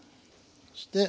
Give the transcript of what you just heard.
そして。